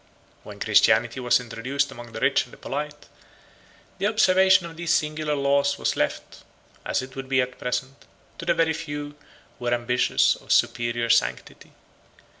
90 When Christianity was introduced among the rich and the polite, the observation of these singular laws was left, as it would be at present, to the few who were ambitious of superior sanctity.